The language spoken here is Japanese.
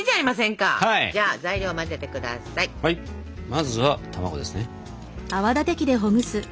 まずは卵ですね。